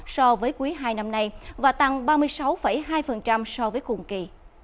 so với quý hai năm nay và tăng ba mươi sáu hai so với cùng kỳ